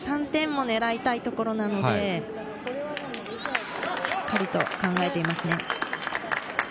３点狙いたいところなので、しっかり考えていますね。